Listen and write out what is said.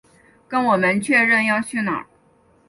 跟我们确认要去哪